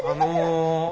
あの。